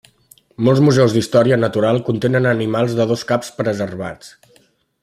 Molts museus d'història natural contenen animals de dos caps preservats.